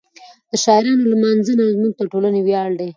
د شاعرانو لمانځنه زموږ د ټولنې ویاړ دی.